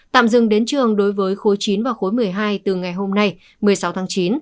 tạm dừng đến trường đối với khối chín và khối một mươi hai từ ngày hôm nay một mươi sáu tháng chín